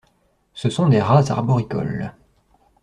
Ce sont des rats arboricoles.